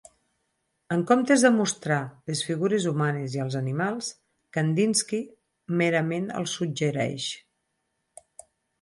En comptes de mostrar les figures humanes i els animals, Kandinski merament els suggereix.